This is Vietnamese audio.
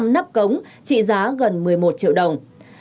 năm nắp cống trị giá gần một mươi một triệu đồng